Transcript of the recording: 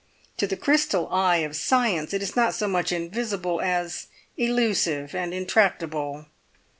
To the crystal eye of science it is not so much invisible as elusive and intractable.